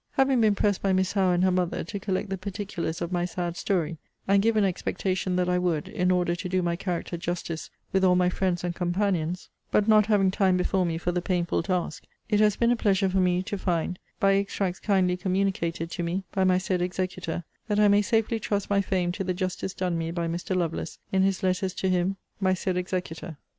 Having been pressed by Miss Howe and her mother to collect the particulars of my sad story, and given expectation that I would, in order to do my character justice with all my friends and companions; but not having time before me for the painful task; it has been a pleasure for me to find, by extracts kindly communicated to me by my said executor, that I may safely trust my fame to the justice done me by Mr. Lovelace, in his letters to him my said executor.